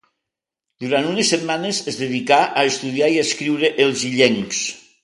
Durant unes setmanes es dedicà a estudiar i descriure els illencs.